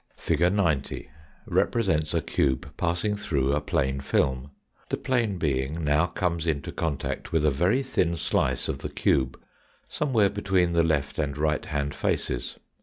Fig. 90 represents a cube passing through a plane film. The plane being now comes into contact with a very thin slice of the cube somewhere between the left and right hand faces.